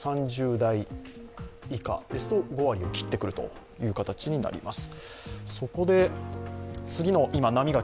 ３０代以下ですと５割を切ってくるという形になります。